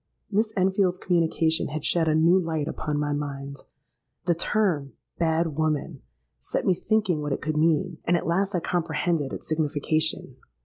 Miss Enfield's communication had shed a new light upon my mind. The term 'bad woman' set me thinking what it could mean; and at last I comprehended its signification.